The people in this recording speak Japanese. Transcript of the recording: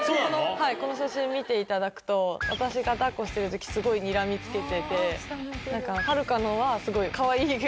はいこの写真見ていただくと私が抱っこしてる時すごいにらみ付けてて秦留可のはすごいかわいく。